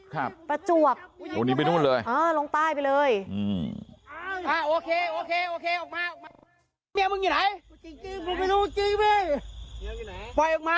ครับประจวกโดนยังไปโน้นเลยเฮ้อลงใต้ไปเลยอืม